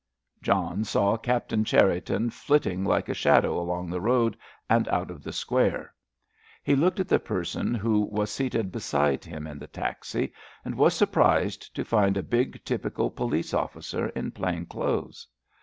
John saw Captain Cherriton flitting like a shadow along the road and out of the square. He looked at the person who was seated beside him in the taxi, and was surprised to find a big, typical police officer in plain clothes.